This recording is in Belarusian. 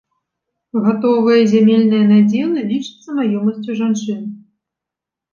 Гатовыя зямельныя надзелы лічацца маёмасцю жанчын.